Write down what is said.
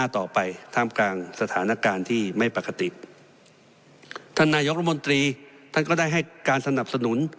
ท่านนายออกรมนตรีท่านก็ได้ให้การสนับสนุน